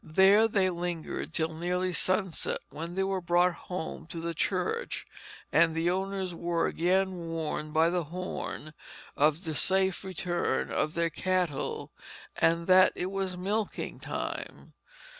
There they lingered till nearly sunset, when they were brought home to the church, and the owners were again warned by the horn of the safe return of their cattle, and that it was milking time.